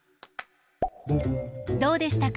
どうでしたか？